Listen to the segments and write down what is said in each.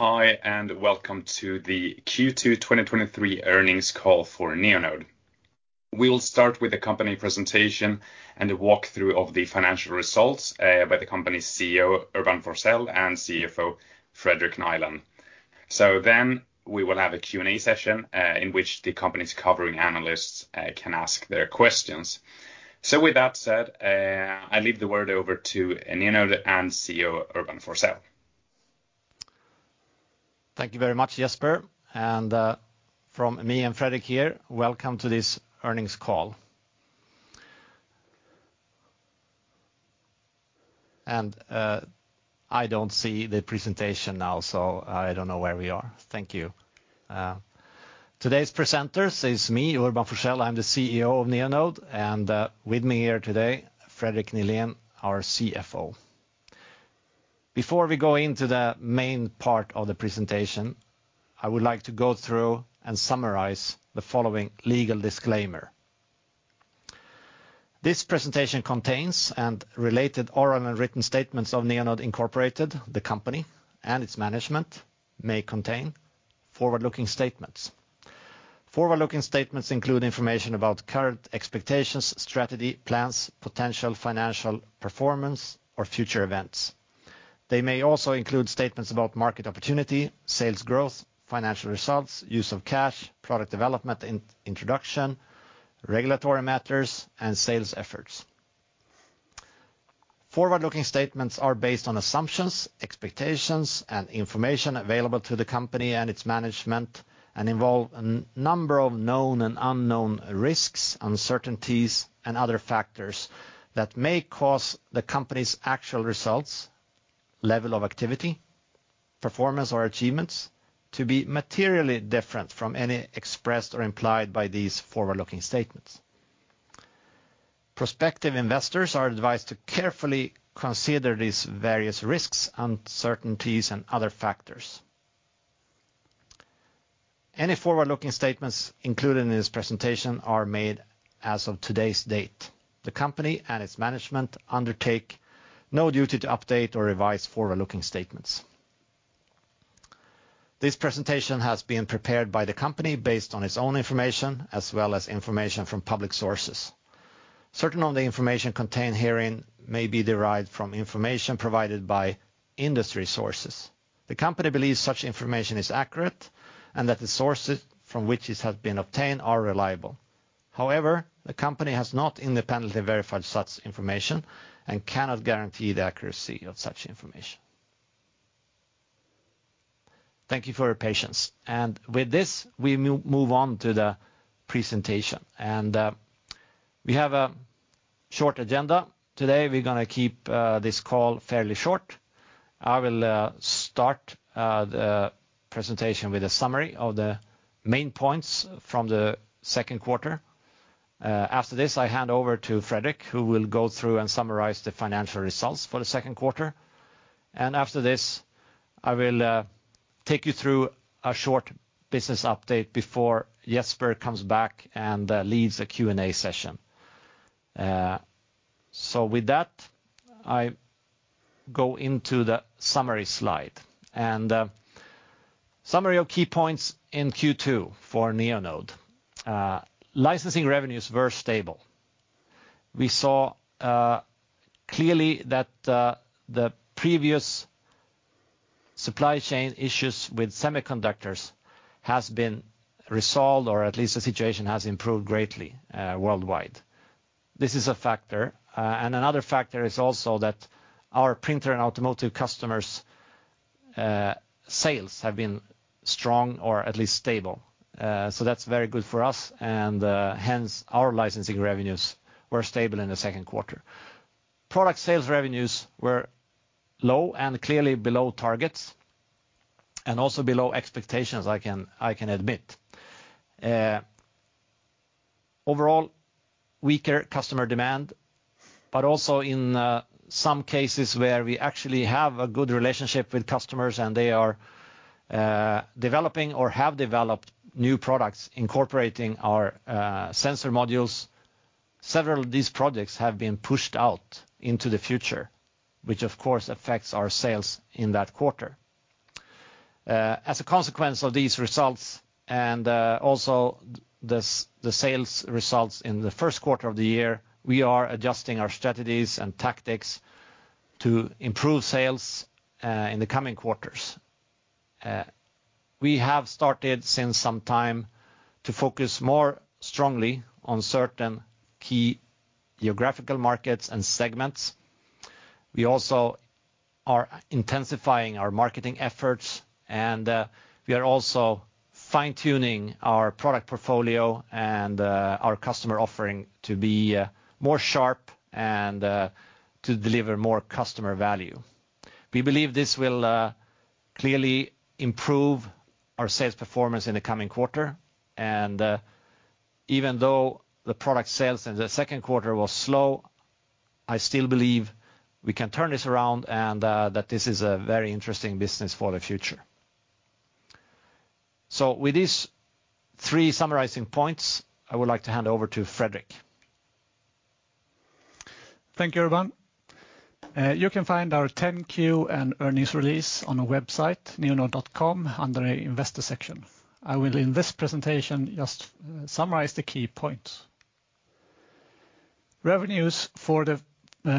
Hi, and welcome to the Q2 2023 earnings call for Neonode. We will start with a company presentation and a walkthrough of the financial results by the company's CEO, Urban Forssell, and CFO, Fredrik Nihlén. Then we will have a Q&A session in which the company's covering analysts can ask their questions. With that said, I leave the word over to Neonode and CEO Urban Forssell. Thank you very much, Jesper. From me and Fredrik here, welcome to this earnings call. I do not see the presentation now, so I do not know where we are. Thank you. Today's presenters are me, Urban Forssell. I am the CEO of Neonode, and with me here today, Fredrik Nihlén, our CFO. Before we go into the main part of the presentation, I would like to go through and summarize the following legal disclaimer. This presentation contains related oral and written statements of Neonode, the company, and its management. It may contain forward-looking statements. Forward-looking statements include information about current expectations, strategy, plans, potential financial performance, or future events. They may also include statements about market opportunity, sales growth, financial results, use of cash, product development and introduction, regulatory matters, and sales efforts. Forward-looking statements are based on assumptions, expectations, and information available to the company and its management, and involve a number of known and unknown risks, uncertainties, and other factors that may cause the company's actual results, level of activity, performance, or achievements to be materially different from any expressed or implied by these forward-looking statements. Prospective investors are advised to carefully consider these various risks, uncertainties, and other factors. Any forward-looking statements included in this presentation are made as of today's date. The company and its management undertake no duty to update or revise forward-looking statements. This presentation has been prepared by the company based on its own information, as well as information from public sources. Certain of the information contained herein may be derived from information provided by industry sources. The company believes such information is accurate and that the sources from which it has been obtained are reliable. However, the company has not independently verified such information and cannot guarantee the accuracy of such information. Thank you for your patience. With this, we move on to the presentation. We have a short agenda today. We're going to keep this call fairly short. I will start the presentation with a summary of the main points from the second quarter. After this, I hand over to Fredrik, who will go through and summarize the financial results for the second quarter. After this, I will take you through a short business update before Jesper comes back and leads a Q&A session. With that, I go into the summary slide. Summary of key points in Q2 for Neonode. Licensing revenues were stable. We saw clearly that the previous supply chain issues with semiconductors have been resolved, or at least the situation has improved greatly worldwide. This is a factor. Another factor is also that our printer and automotive customers' sales have been strong or at least stable. That is very good for us, and hence our licensing revenues were stable in the second quarter. Product sales revenues were low and clearly below targets and also below expectations, I can admit. Overall, weaker customer demand, but also in some cases where we actually have a good relationship with customers and they are developing or have developed new products incorporating our sensor modules. Several of these projects have been pushed out into the future, which of course affects our sales in that quarter. As a consequence of these results and also the sales results in the first quarter of the year, we are adjusting our strategies and tactics to improve sales in the coming quarters. We have started since some time to focus more strongly on certain key geographical markets and segments. We also are intensifying our marketing efforts, and we are also fine-tuning our product portfolio and our customer offering to be more sharp and to deliver more customer value. We believe this will clearly improve our sales performance in the coming quarter. Even though the product sales in the second quarter were slow, I still believe we can turn this around and that this is a very interesting business for the future. With these three summarizing points, I would like to hand over to Fredrik. Thank you, Urban. You can find our 10Q and earnings release on our website, neonode.com, under the investor section. I will, in this presentation, just summarize the key points. Revenues for the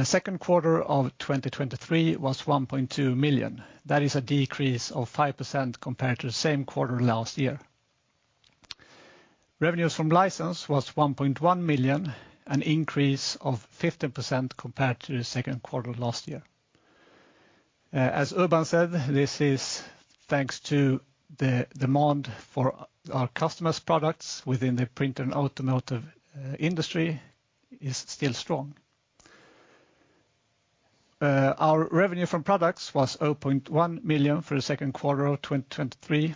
second quarter of 2023 was $1.2 million. That is a decrease of 5% compared to the same quarter last year. Revenues from license was $1.1 million, an increase of 15% compared to the second quarter last year. As Urban said, this is thanks to the demand for our customers' products within the printer and automotive industry is still strong. Our revenue from products was $0.1 million for the second quarter of 2023.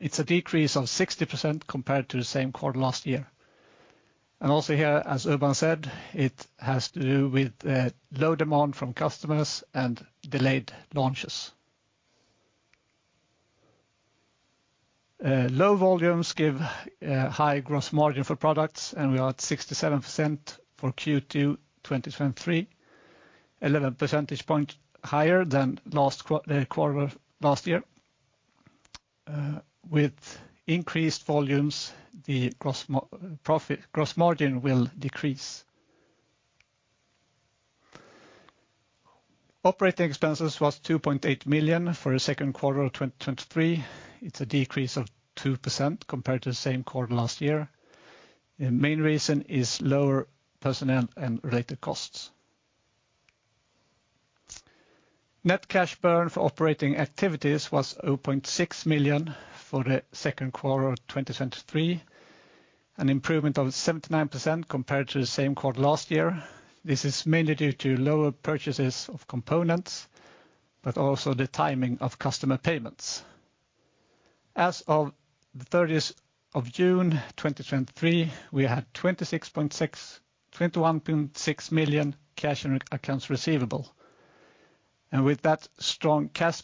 It is a decrease of 60% compared to the same quarter last year. Also here, as Urban said, it has to do with low demand from customers and delayed launches. Low volumes give high gross margin for products, and we are at 67% for Q2 2023, 11 percentage points higher than last quarter last year. With increased volumes, the gross margin will decrease. Operating expenses was $2.8 million for the second quarter of 2023. It's a decrease of 2% compared to the same quarter last year. The main reason is lower personnel and related costs. Net cash burn for operating activities was $0.6 million for the second quarter of 2023, an improvement of 79% compared to the same quarter last year. This is mainly due to lower purchases of components, but also the timing of customer payments. As of 30 June 2023, we had $21.6 million cash and accounts receivable. With that strong cash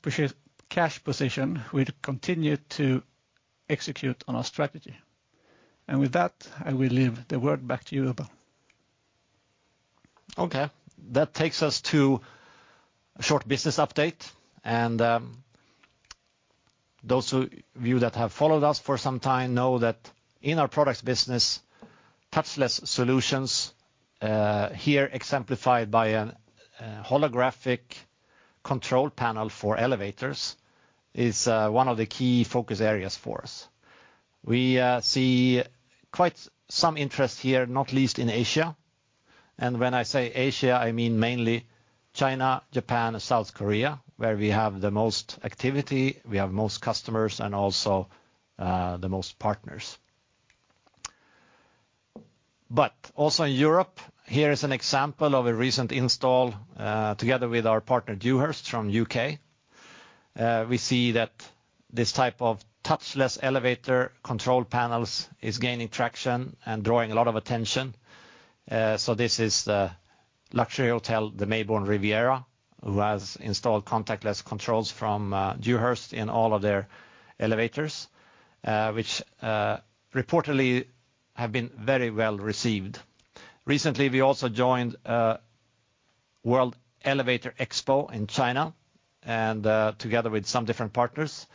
position, we continue to execute on our strategy. With that, I will leave the word back to you, Urban. Okay, that takes us to a short business update. Those of you that have followed us for some time know that in our products business, touchless solutions, here exemplified by a holographic control panel for elevators, is one of the key focus areas for us. We see quite some interest here, not least in Asia. When I say Asia, I mean mainly China, Japan, and South Korea, where we have the most activity, we have most customers, and also the most partners. Also in Europe, here is an example of a recent install together with our partner Dewhurst from the U.K. We see that this type of touchless elevator control panels is gaining traction and drawing a lot of attention. This is the luxury hotel, the Maybourne Riviera, who has installed contactless controls from Dewhurst in all of their elevators, which reportedly have been very well received. Recently, we also joined World Elevator Expo in China together with some different partners.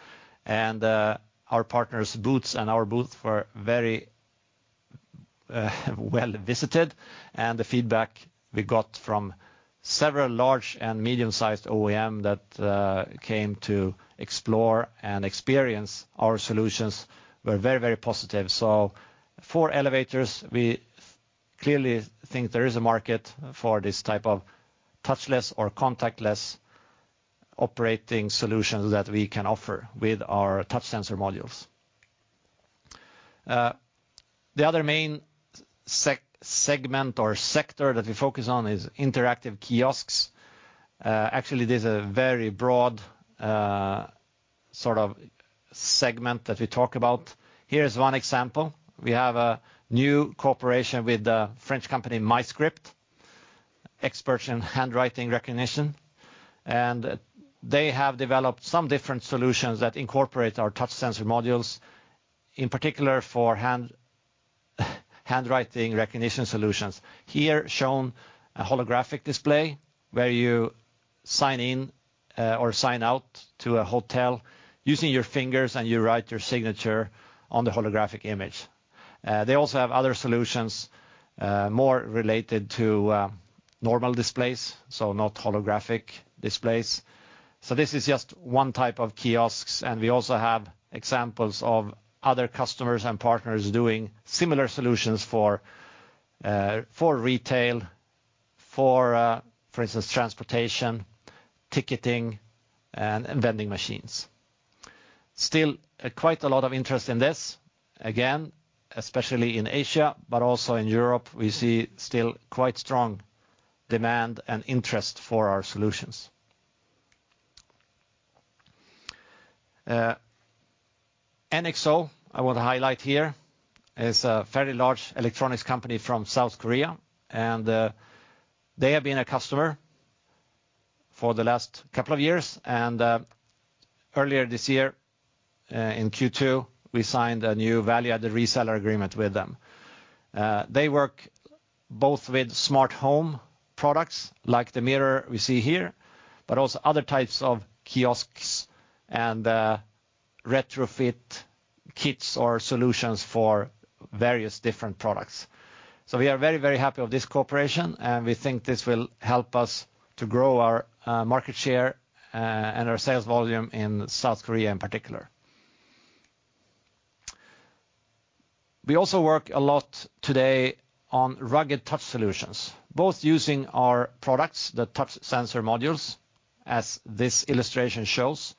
Our partners' booths and our booth were very well visited. The feedback we got from several large and medium-sized OEMs that came to explore and experience our solutions was very, very positive. For elevators, we clearly think there is a market for this type of touchless or contactless operating solutions that we can offer with our touch sensor modules. The other main segment or sector that we focus on is interactive kiosks. Actually, this is a very broad sort of segment that we talk about. Here is one example. We have a new cooperation with the French company MyScript, experts in handwriting recognition. They have developed some different solutions that incorporate our touch sensor modules, in particular for handwriting recognition solutions. Here shown a holographic display where you sign in or sign out to a hotel using your fingers and you write your signature on the holographic image. They also have other solutions more related to normal displays, not holographic displays. This is just one type of kiosks. We also have examples of other customers and partners doing similar solutions for retail, for instance, transportation, ticketing, and vending machines. Still quite a lot of interest in this, again, especially in Asia, but also in Europe. We see still quite strong demand and interest for our solutions. NXO, I want to highlight here, is a fairly large electronics company from South Korea. They have been a customer for the last couple of years. Earlier this year in Q2, we signed a new value-added reseller agreement with them. They work both with smart home products like the mirror we see here, but also other types of kiosks and retrofit kits or solutions for various different products. We are very, very happy with this cooperation, and we think this will help us to grow our market share and our sales volume in South Korea in particular. We also work a lot today on rugged touch solutions, both using our products, the touch sensor modules, as this illustration shows.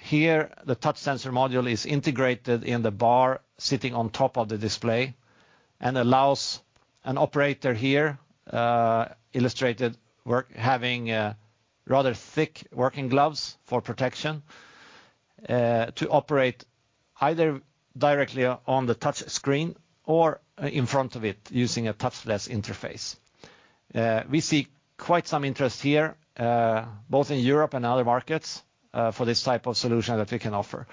Here, the touch sensor module is integrated in the bar sitting on top of the display and allows an operator here, illustrated, having rather thick working gloves for protection to operate either directly on the touch screen or in front of it using a touchless interface. We see quite some interest here, both in Europe and other markets for this type of solution that we can offer.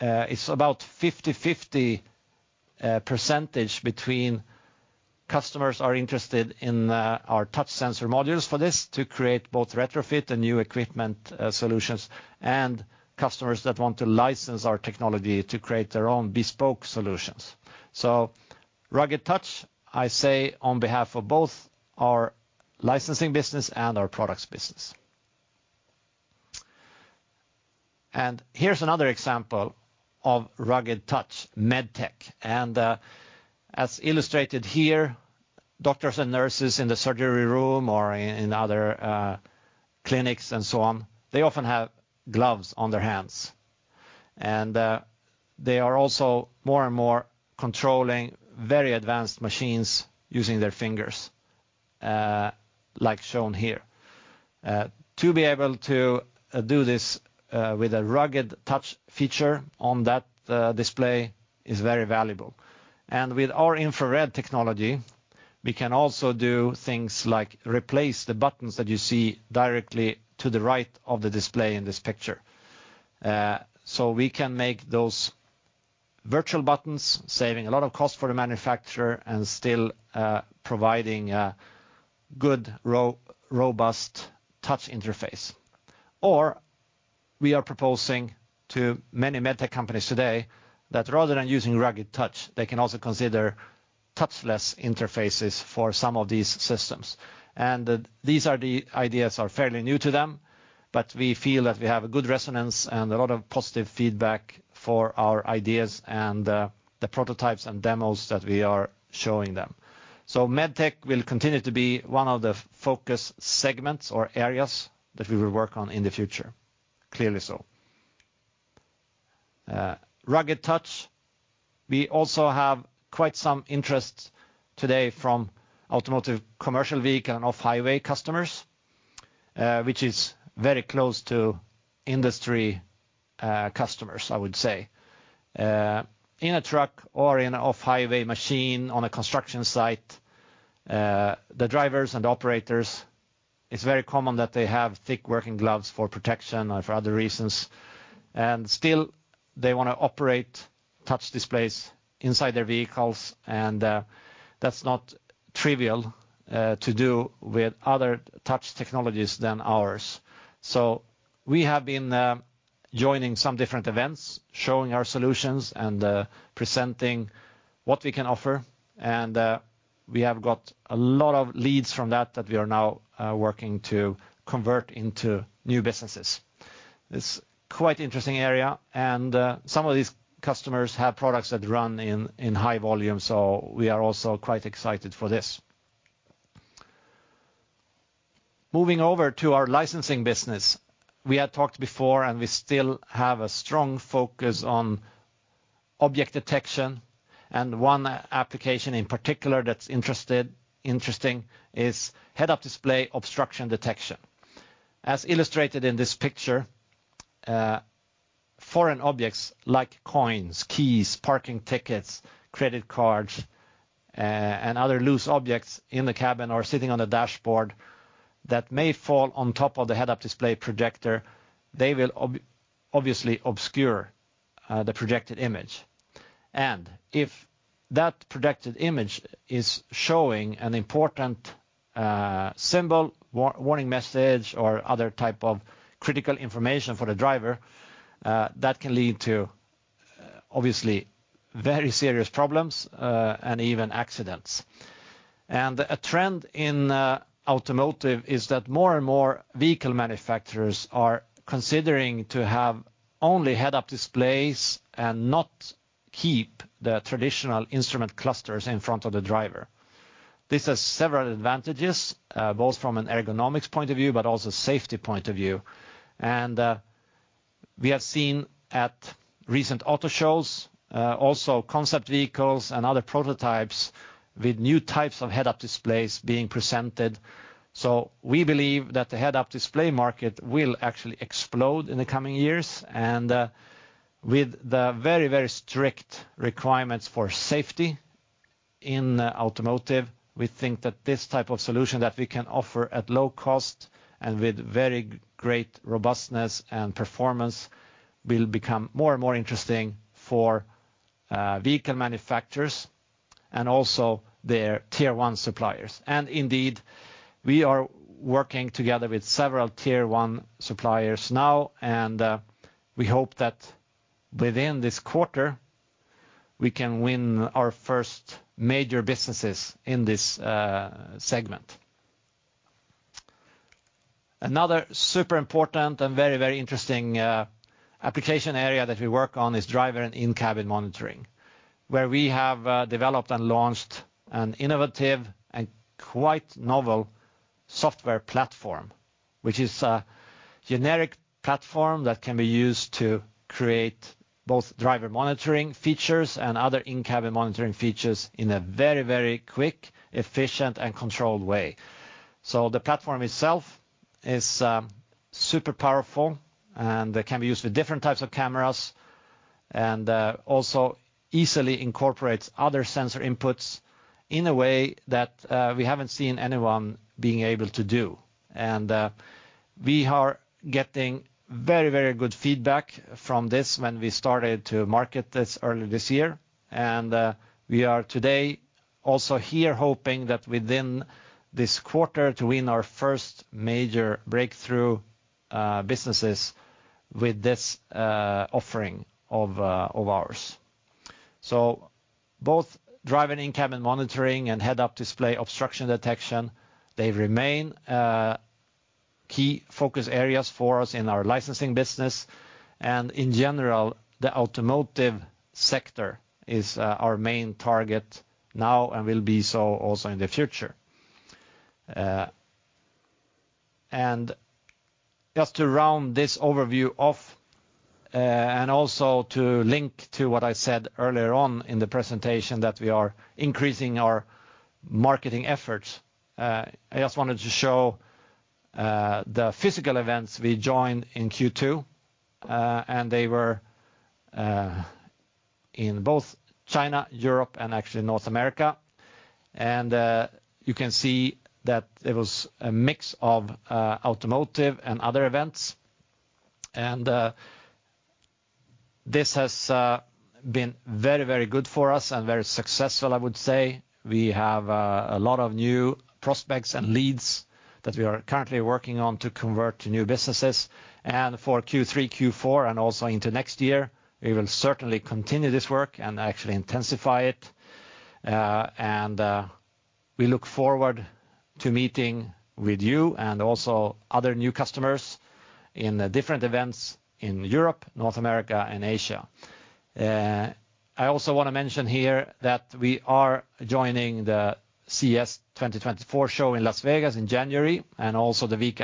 It's about a 50/50 percentage between customers who are interested in our touch sensor modules for this to create both retrofit and new equipment solutions, and customers that want to license our technology to create their own bespoke solutions. Rugged touch, I say on behalf of both our licensing business and our products business. Here's another example of rugged touch, med tech. As illustrated here, doctors and nurses in the surgery room or in other clinics and so on, they often have gloves on their hands. They are also more and more controlling very advanced machines using their fingers, like shown here. To be able to do this with a rugged touch feature on that display is very valuable. With our infrared technology, we can also do things like replace the buttons that you see directly to the right of the display in this picture. We can make those virtual buttons, saving a lot of cost for the manufacturer and still providing a good, robust touch interface. We are proposing to many med tech companies today that rather than using rugged touch, they can also consider touchless interfaces for some of these systems. These ideas are fairly new to them, but we feel that we have a good resonance and a lot of positive feedback for our ideas and the prototypes and demos that we are showing them. Med tech will continue to be one of the focus segments or areas that we will work on in the future, clearly so. Rugged touch, we also have quite some interest today from automotive, commercial vehicle, and off-highway customers, which is very close to industry customers, I would say. In a truck or in an off-highway machine on a construction site, the drivers and the operators, it's very common that they have thick working gloves for protection or for other reasons. Still, they want to operate touch displays inside their vehicles. That's not trivial to do with other touch technologies than ours. We have been joining some different events, showing our solutions and presenting what we can offer. We have got a lot of leads from that that we are now working to convert into new businesses. It's quite an interesting area. Some of these customers have products that run in high volume, so we are also quite excited for this. Moving over to our licensing business, we had talked before and we still have a strong focus on object detection. One application in particular that's interesting is head-up display obstruction detection. As illustrated in this picture, foreign objects like coins, keys, parking tickets, credit cards, and other loose objects in the cabin or sitting on the dashboard that may fall on top of the head-up display projector, they will obviously obscure the projected image. If that projected image is showing an important symbol, warning message, or other type of critical information for the driver, that can lead to obviously very serious problems and even accidents. A trend in automotive is that more and more vehicle manufacturers are considering to have only head-up displays and not keep the traditional instrument clusters in front of the driver. This has several advantages, both from an ergonomics point of view, but also safety point of view. We have seen at recent auto shows, also concept vehicles and other prototypes with new types of head-up displays being presented. We believe that the head-up display market will actually explode in the coming years. With the very, very strict requirements for safety in automotive, we think that this type of solution that we can offer at low cost and with very great robustness and performance will become more and more interesting for vehicle manufacturers and also their tier one suppliers. Indeed, we are working together with several tier one suppliers now, and we hope that within this quarter, we can win our first major businesses in this segment. Another super important and very, very interesting application area that we work on is driver and in-cabin monitoring, where we have developed and launched an innovative and quite novel software platform, which is a generic platform that can be used to create both driver monitoring features and other in-cabin monitoring features in a very, very quick, efficient, and controlled way. The platform itself is super powerful and can be used with different types of cameras and also easily incorporates other sensor inputs in a way that we have not seen anyone being able to do. We are getting very, very good feedback from this when we started to market this early this year. We are today also here hoping that within this quarter to win our first major breakthrough businesses with this offering of ours. Both driving in-cabin monitoring and head-up display obstruction detection remain key focus areas for us in our licensing business. In general, the automotive sector is our main target now and will be so also in the future. Just to round this overview off and also to link to what I said earlier on in the presentation that we are increasing our marketing efforts, I just wanted to show the physical events we joined in Q2. They were in China, Europe, and actually North America. You can see that it was a mix of automotive and other events. This has been very, very good for us and very successful, I would say. We have a lot of new prospects and leads that we are currently working on to convert to new businesses. For Q3, Q4, and also into next year, we will certainly continue this work and actually intensify it. We look forward to meeting with you and also other new customers in different events in Europe, North America, and Asia. I also want to mention here that we are joining the CES 2024 show in Las Vegas in January and also the week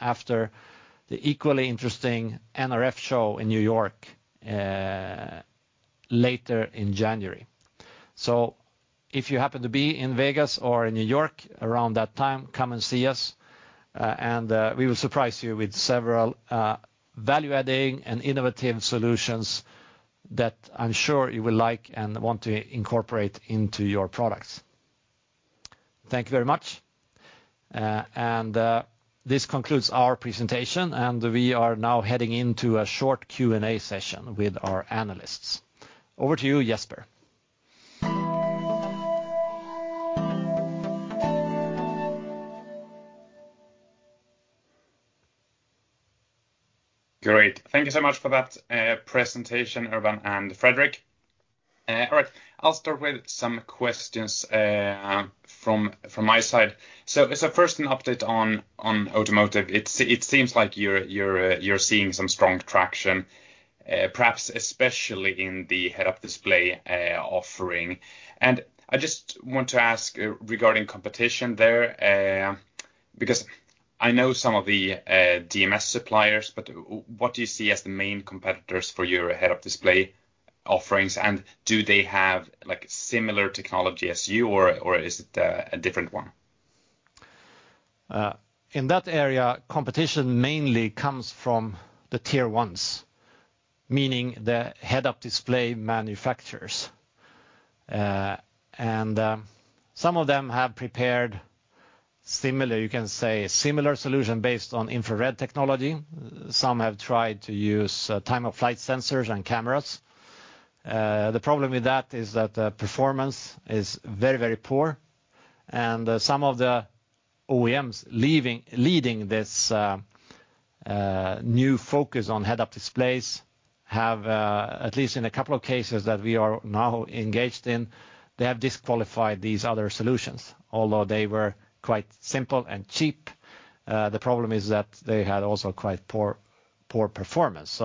after the equally interesting NRF show in New York later in January. If you happen to be in Vegas or in New York around that time, come and see us. We will surprise you with several value-adding and innovative solutions that I am sure you will like and want to incorporate into your products. Thank you very much. This concludes our presentation, and we are now heading into a short Q&A session with our analysts. Over to you, Jesper. Great. Thank you so much for that presentation, Urban and Fredrik. All right, I'll start with some questions from my side. First, an update on automotive. It seems like you're seeing some strong traction, perhaps especially in the head-up display offering. I just want to ask regarding competition there, because I know some of the DMS suppliers, but what do you see as the main competitors for your head-up display offerings? Do they have similar technology as you, or is it a different one? In that area, competition mainly comes from the tier ones, meaning the head-up display manufacturers. Some of them have prepared, you can say, a similar solution based on infrared technology. Some have tried to use time-of-flight sensors and cameras. The problem with that is that the performance is very, very poor. Some of the OEMs leading this new focus on head-up displays have, at least in a couple of cases that we are now engaged in, disqualified these other solutions, although they were quite simple and cheap. The problem is that they had also quite poor performance.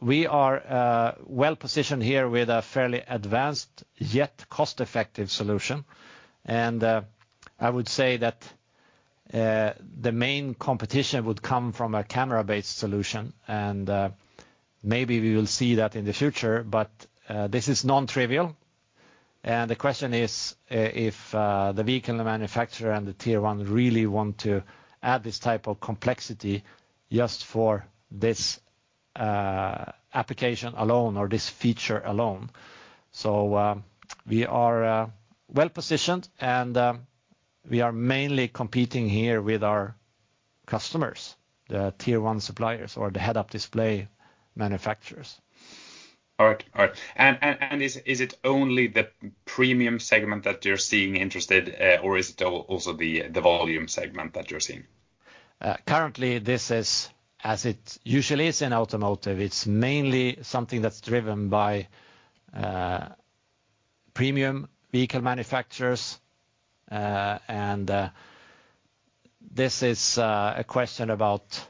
We are well positioned here with a fairly advanced yet cost-effective solution. I would say that the main competition would come from a camera-based solution. Maybe we will see that in the future, but this is non-trivial. The question is if the vehicle manufacturer and the tier one really want to add this type of complexity just for this application alone or this feature alone. We are well positioned, and we are mainly competing here with our customers, the tier one suppliers or the head-up display manufacturers. All right. Is it only the premium segment that you're seeing interested, or is it also the volume segment that you're seeing? Currently, this is, as it usually is in automotive, mainly something that's driven by premium vehicle manufacturers. This is a question about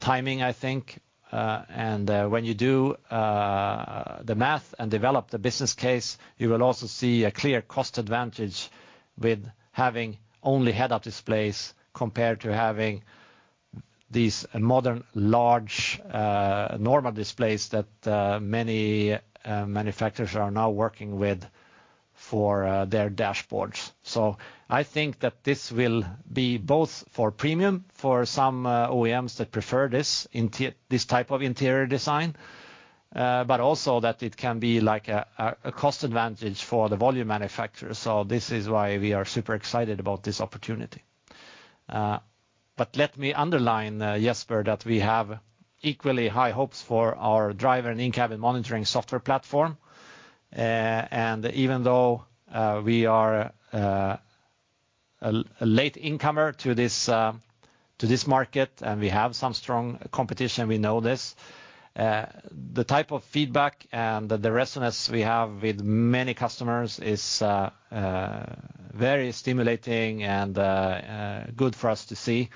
timing, I think. When you do the math and develop the business case, you will also see a clear cost advantage with having only head-up displays compared to having these modern, large, normal displays that many manufacturers are now working with for their dashboards. I think that this will be both for premium for some OEMs that prefer this type of interior design, but also that it can be like a cost advantage for the volume manufacturers. This is why we are super excited about this opportunity. Let me underline, Jesper, that we have equally high hopes for our driver and in-cabin monitoring software platform. Even though we are a late incomer to this market and we have some strong competition, we know this, the type of feedback and the resonance we have with many customers is very stimulating and good for us to see.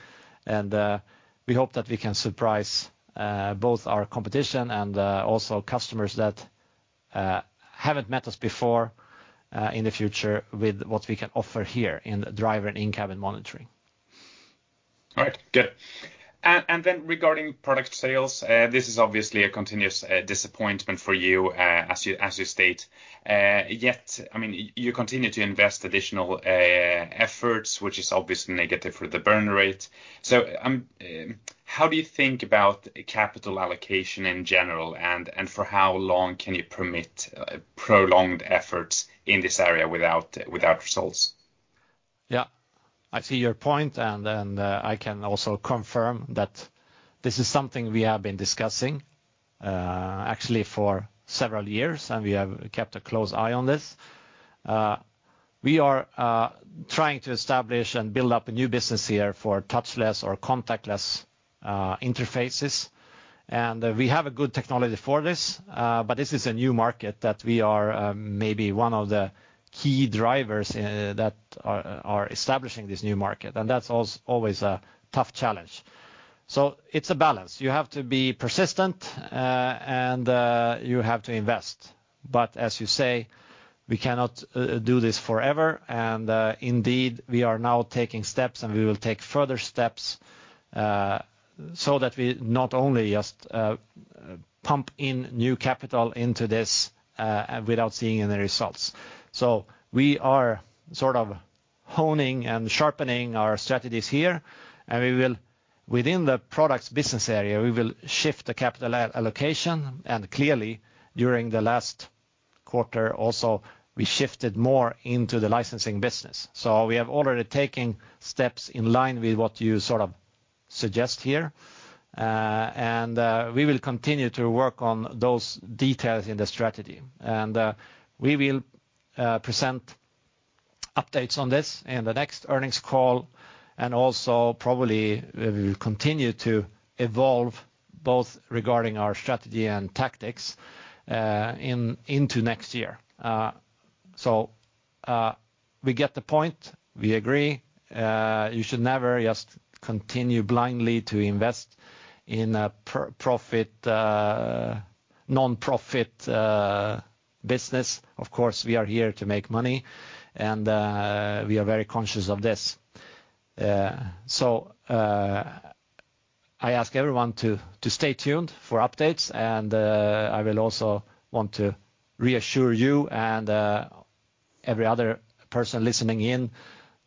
We hope that we can surprise both our competition and also customers that have not met us before in the future with what we can offer here in driver and in-cabin monitoring. All right, good. Regarding product sales, this is obviously a continuous disappointment for you, as you state. Yet, I mean, you continue to invest additional efforts, which is obviously negative for the burn rate. How do you think about capital allocation in general and for how long can you permit prolonged efforts in this area without results? Yeah, I see your point, and I can also confirm that this is something we have been discussing actually for several years, and we have kept a close eye on this. We are trying to establish and build up a new business here for touchless or contactless interfaces. We have a good technology for this, but this is a new market that we are maybe one of the key drivers that are establishing this new market. That is always a tough challenge. It is a balance. You have to be persistent, and you have to invest. As you say, we cannot do this forever. Indeed, we are now taking steps, and we will take further steps so that we not only just pump in new capital into this without seeing any results. We are sort of honing and sharpening our strategies here. Within the products business area, we will shift the capital allocation. Clearly, during the last quarter, we shifted more into the licensing business. We have already taken steps in line with what you sort of suggest here. We will continue to work on those details in the strategy. We will present updates on this in the next earnings call. Also, probably we will continue to evolve both regarding our strategy and tactics into next year. We get the point. We agree. You should never just continue blindly to invest in a non-profit business. Of course, we are here to make money, and we are very conscious of this. I ask everyone to stay tuned for updates. I also want to reassure you and every other person listening in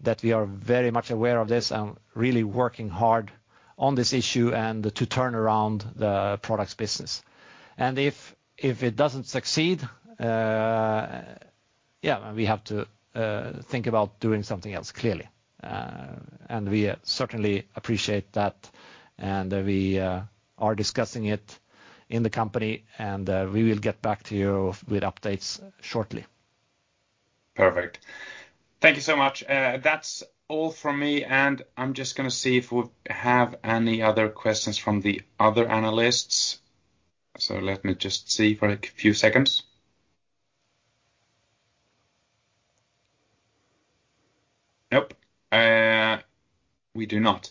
that we are very much aware of this and really working hard on this issue and to turn around the products business. If it doesn't succeed, yeah, we have to think about doing something else clearly. We certainly appreciate that, and we are discussing it in the company, and we will get back to you with updates shortly. Perfect. Thank you so much. That's all from me. I'm just going to see if we have any other questions from the other analysts. Let me just see for a few seconds. Nope, we do not.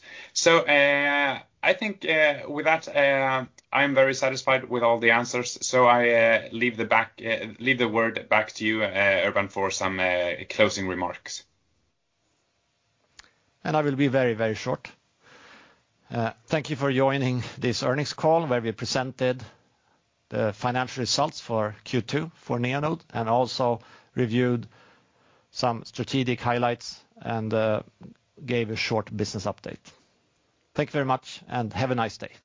I think with that, I'm very satisfied with all the answers. I leave the word back to you, Urban, for some closing remarks. I will be very, very short. Thank you for joining this earnings call where we presented the financial results for Q2 for Neonode and also reviewed some strategic highlights and gave a short business update. Thank you very much, and have a nice day.